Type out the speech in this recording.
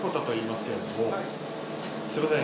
すみません